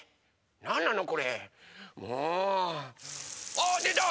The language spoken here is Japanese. あでた！